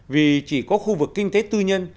vì chỉ có khu vực kinh tế tư nhân